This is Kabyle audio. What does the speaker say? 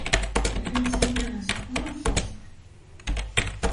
Llan ssawalen s tefṛensist.